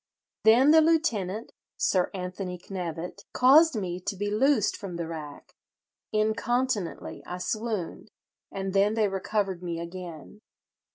Then the lieutenant (Sir Anthony Knevet) caused me to be loosed from the rack. Incontinently I swooned, and then they recovered me again.